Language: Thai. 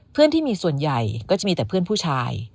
เพื่อนที่มีส่วนใหญ่ก็จะมีแต่เพื่อนผู้ชาย